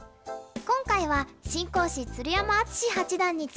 今回は新講師鶴山淳志八段に注目します。